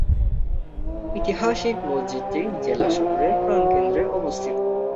ঐতিহাসিক মসজিদটি জেলা শহরের প্রাণকেন্দ্রে অবস্থিত।